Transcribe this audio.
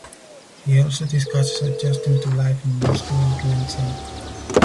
He also discusses adjusting to life in Moscow with Lindsay.